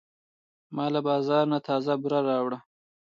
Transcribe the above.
ما له بازار نه تازه بوره راوړه.